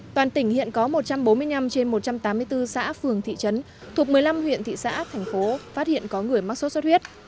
toàn tỉnh hiện có một trăm bốn mươi năm trên một trăm tám mươi bốn xã phường thị trấn thuộc một mươi năm huyện thị xã thành phố phát hiện có người mắc sốt xuất huyết